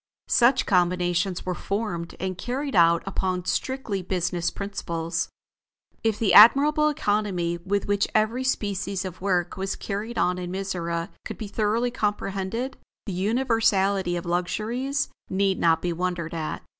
Such combinations were formed and carried out upon strictly business principles. If the admirable economy with which every species of work was carried on in Mizora could be thoroughly comprehended, the universality of luxuries need not be wondered at.